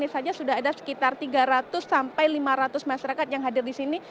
saja sudah ada sekitar tiga ratus sampai lima ratus masyarakat yang hadir di sini